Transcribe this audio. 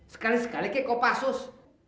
sekali sekali kayak kopasus